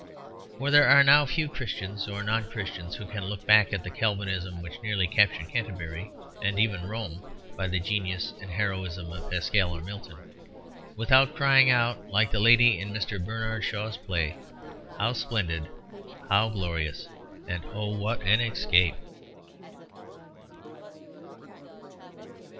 For there are now few Christians or non Christians who can look back at the Calvinism which nearly captured Canterbury and even Rome by the genius and heroism of Pascal or Milton, without crying out, like the lady in Mr. Bernard Shaw's play, "How splendid! How glorious!... and oh what an escape!"